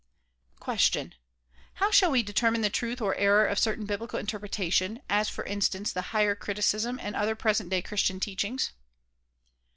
Question: How shall we determine the truth or error of certain biblical interpretation, as for instance the "higher criticism" and other present day Christian teachings?